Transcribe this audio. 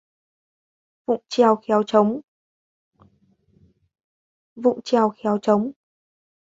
Vụng chèo khéo trống